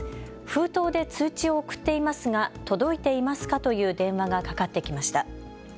封筒で通知を送っていますが届いていますかという電話がかかってきました。